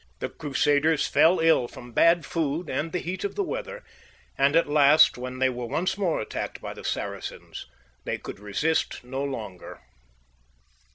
The Crusaders fell ill from bad food and the heat of the weather ; and at last, when they were once more attacked by the Saracens, they could resist no longer.